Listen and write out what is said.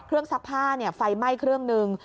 เครื่องซักผ้าไฟไหม้เครื่องหนึ่ง